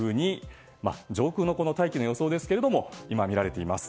上空の大気の予想ですが今、みられています。